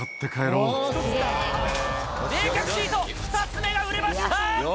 冷却シート、２つ目が売れました。